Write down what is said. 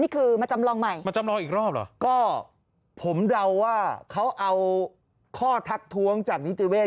นี่คือมาจำลองใหม่มาจำลองอีกรอบเหรอก็ผมเดาว่าเขาเอาข้อทักท้วงจากนิติเวศ